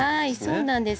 そうなんです。